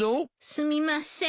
すみません。